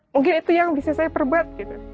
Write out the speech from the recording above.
mungkin itu yang bisa saya perbuat